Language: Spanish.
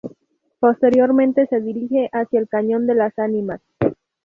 Posteriormente se dirige hacia el Cañón de las Ánimas.